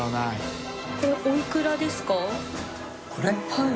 はい。